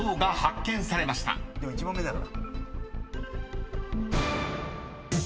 でも１問目だから。